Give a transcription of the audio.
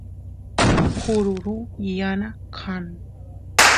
kururu yana kan